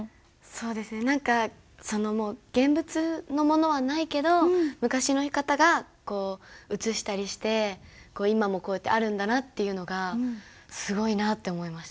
そうですね何かもう現物のものはないけど昔の方が写したりして今もこうやってあるんだなっていうのがすごいなって思いましたね。